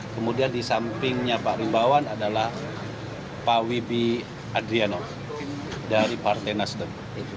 kemudian di sampingnya pak rimbawan adalah pak wibi adriano dari partai nasdem